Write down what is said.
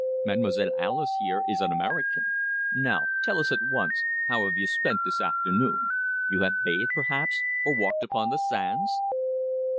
Mademoiselle Alice here is American. Now tell us at once, how have you spent this afternoon? You have bathed, perhaps, or walked upon the sands?"